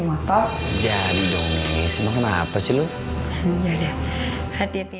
motor jadi dong ismah apa sih lu hati hati